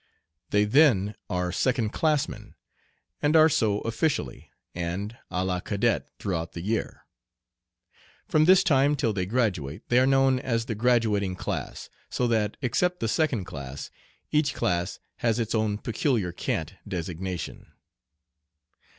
They then are "second classmen," and are so officially and à la cadet throughout the year. From this time till they graduate they are known as the "graduating class," so that, except the second class, each class has its own peculiar cant designation.